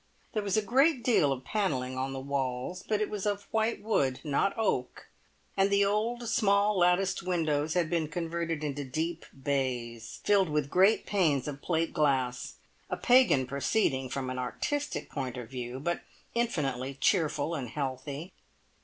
There was a great deal of panelling on the walls, but it was of white wood, not oak, and the old, small latticed windows had been converted into deep bays, filled with great panes of plate glass a pagan proceeding from an artistic point of view, but infinitely cheerful and healthy.